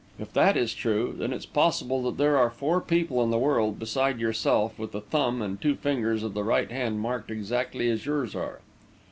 If that is true, then it's possible that there are four people in the world, beside yourself, with the thumb and two fingers of the right hand marked exactly as yours are."